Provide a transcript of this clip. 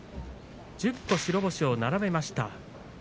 １０個、白星を並べました